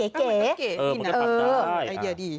เออมันก็ทำได้ไอเดียดี